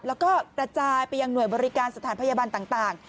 แล้วก็กระจายไปยังหน่วยบริการสถานพยาบาลต่าง